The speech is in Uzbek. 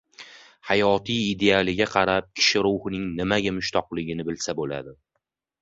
Hayotiy idealiga qarab kishi ruhining nimaga mushtoqligini bilsa bo‘ladi.